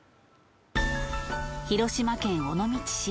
広島県尾道市。